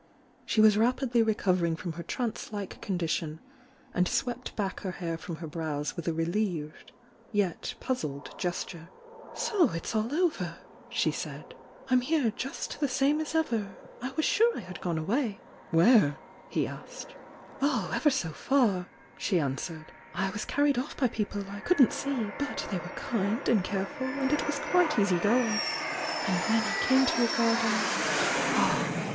She was rapidly recovering from her trance like condition, and swept back her hair from her brows with a relieved, yet puzzled gesture. "So it's all over!" she said. "!'"! here just the same as ever! I was sure I had gone away!" "Where?" he asked. "Oh, ever so far!" she answered. "I was carried off by people I couldn't see — but they were kind and careful, and it was quite easy going. And then I came to a garden — oh!